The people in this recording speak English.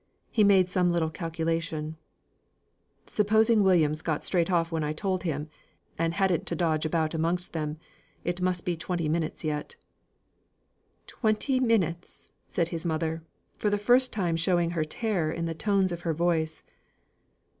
He made some little calculation: "Supposing Williams got straight off when I told him, and hadn't to dodge about amongst them it must be twenty minutes yet." "Twenty minutes!" said his mother, for the first time showing her terror in the tones of her voice.